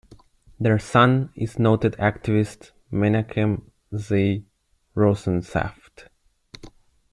Their son is noted activist Menachem Z. Rosensaft.